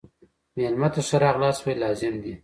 مېلمه ته ښه راغلاست ویل لازم دي.